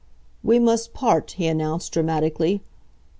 "We mus' part," he announced, dramatically.